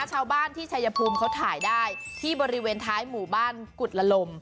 ชาวบ้านที่ชายภูมิเขาถ่ายได้ที่บริเวณท้ายหมู่บ้านกุฎละลม